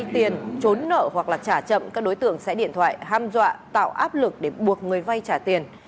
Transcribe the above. trả chậm các đối tượng sẽ điện thoại ham dọa tạo áp lực để buộc người vay trả tiền